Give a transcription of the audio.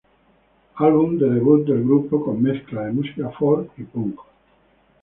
Álbum de debut del grupo, con mezcla de música folk y punk.